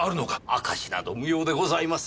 証しなど無用でございます。